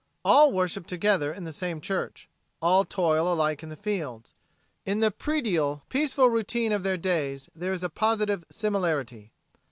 All worship together in the same church; all toil alike in the fields. In the predial, peaceful routine of their days there is a positive similarity.